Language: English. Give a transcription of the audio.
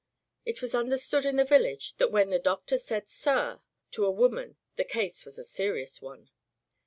'* It was understood in the village that when the Doctor said "Sir" to a woman the case was a serious one.